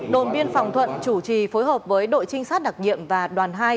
đồn biên phòng thuận chủ trì phối hợp với đội trinh sát đặc nhiệm và đoàn hai